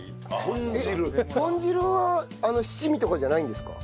えっ豚汁は七味とかじゃないんですか？